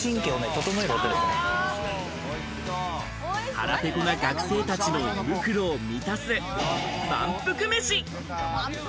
腹ペコな学生たちの胃袋を満たす、まんぷく飯。